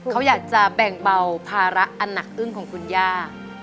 เขาอยากจะแบ่งเบาภาระอันหนักอึ้งของคุณย่า